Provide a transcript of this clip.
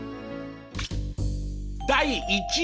第１位。